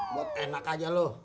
buat enak aja lo